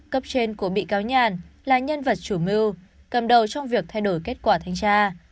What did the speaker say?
cấp trên của bị cáo nhàn là nhân vật chủ mưu cầm đầu trong việc thay đổi kết quả thanh tra